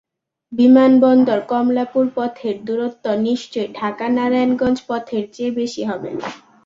বিমানবন্দর-কমলাপুর পথের দূরত্ব নিশ্চয়ই ঢাকা নারায়ণগঞ্জ পথের চেয়ে বেশি হবে না।